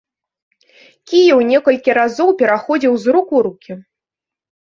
Кіеў некалькі разоў пераходзіў з рук у рукі.